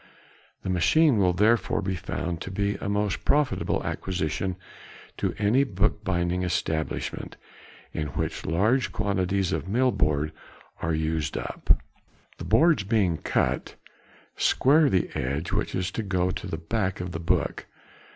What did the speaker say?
The machine will therefore be found to be a most profitable acquisition to any bookbinding establishment in which large quantities of mill board are used up." [Illustration: Steam Mill board Cutting Machine.] The boards being cut, square the edge which is to go to the back of the book.